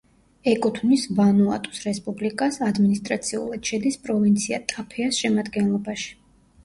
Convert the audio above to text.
ეკუთვნის ვანუატუს რესპუბლიკას, ადმინისტრაციულად შედის პროვინცია ტაფეას შემადგენლობაში.